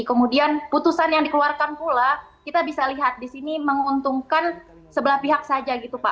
kemudian putusan yang dikeluarkan pula kita bisa lihat di sini menguntungkan sebelah pihak saja gitu pak